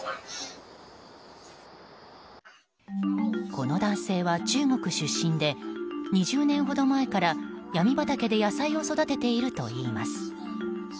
この男性は中国出身で２０年ほど前からヤミ畑で野菜を育てているといいます。